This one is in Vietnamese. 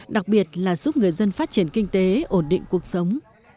đặc biệt là giúp người dân phát triển kinh tế ổn định cuộc sống